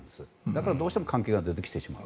だから、どうしても関係が出てきてしまう。